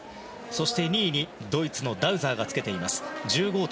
そして２位にドイツのダウザーがつけています。１５．５００。